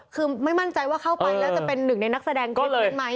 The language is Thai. คือไม่มั่นใจว่าเข้าไปแล้วจะเป็นหนึ่งในนักแสดงคลิปนั้นไหม